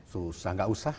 susah enggak usah